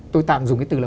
tôi tạm dùng cái từ là